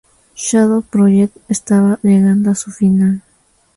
Shadow Project estaba llegando a su final.